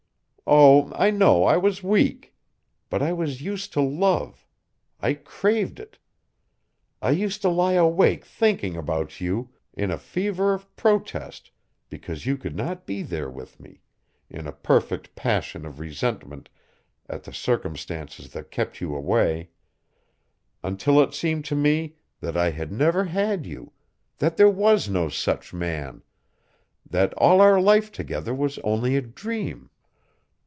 Oh, I know I was weak. But I was used to love. I craved it. I used to lie awake thinking about you, in a fever of protest because you could not be there with me, in a perfect passion of resentment at the circumstances that kept you away; until it seemed to me that I had never had you, that there was no such man, that all our life together was only a dream.